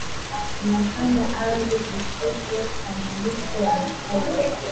Inafanya ardhi isifae kwa malisho ya mifugo